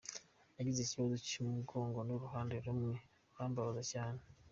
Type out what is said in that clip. Nagize ikibazo cy’umugongo uruhande rumwe rurambabaza cyane.